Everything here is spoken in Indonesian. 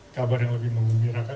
kabar yang lebih memirakan